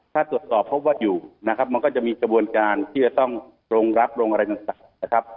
ถ้าตรวจสอบพบว่าอยู่นะครับมันก็จะมีกระบวนการที่จะต้องโรงรับโรงอะไรต่างนะครับ